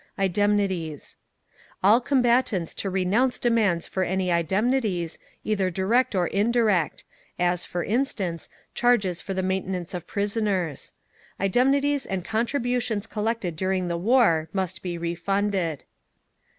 Indemnities All combatants to renounce demands for any indemnities, either direct or indirect—as, for instance, charges for the maintenance of prisoners. Indemnities and contributions collected during the war must be refunded.